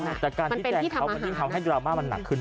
มันเป็นที่ทำไม่ทิ้งเขาให้ดราม่าหนักขึ้น